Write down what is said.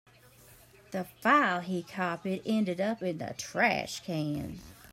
The file he copied ended up in the trash can.